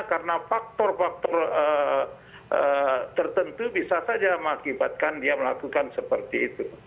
karena faktor faktor tertentu bisa saja mengakibatkan dia melakukan seperti itu